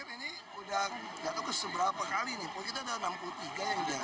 ini sudah jatuh ke seberapa kali nih pokoknya ada enam puluh tiga yang jadi